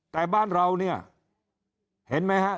แต่บ้านเราเนี่ยเห็นไหมฮะ